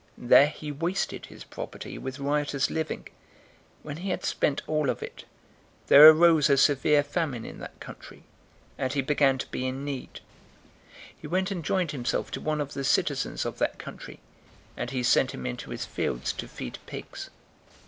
There he wasted his property with riotous living. 015:014 When he had spent all of it, there arose a severe famine in that country, and he began to be in need. 015:015 He went and joined himself to one of the citizens of that country, and he sent him into his fields to feed pigs.